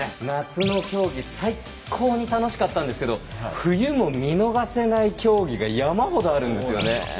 夏の競技最高に楽しかったんですけど冬も見逃せない競技が山ほどあるんですよね。